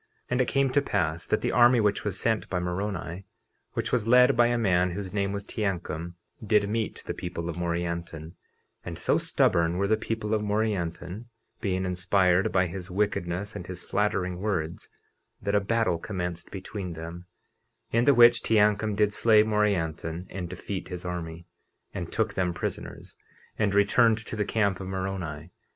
50:35 And it came to pass that the army which was sent by Moroni, which was led by a man whose name was Teancum, did meet the people of Morianton; and so stubborn were the people of Morianton, (being inspired by his wickedness and his flattering words) that a battle commenced between them, in the which Teancum did slay Morianton and defeat his army, and took them prisoners, and returned to the camp of Moroni.